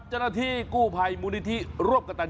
เจ้าหน้าที่กู้ไพฯบูนิษธิรอบกระตาน